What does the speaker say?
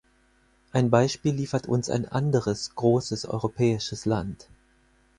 Ein Beispiel liefert uns ein anderes großes europäisches Land.